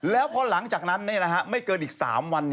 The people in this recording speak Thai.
แล้วพอหลังจากนั้นไม่เกินอีก๓วัน